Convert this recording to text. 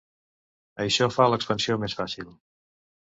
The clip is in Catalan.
Això fa l'expansió més fàcil.